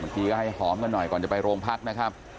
ทีก็ให้หอมกันหน่อยก่อนจะไปโรงพักนะครับ